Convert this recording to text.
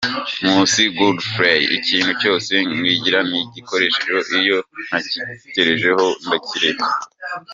Nkusi Godfrey: Ikintu cyose ngikora nagitekerejeho, iyo ntagitekerejeho ndakireka.